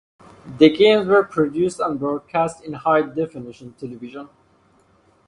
The games were produced and broadcast in high definition television.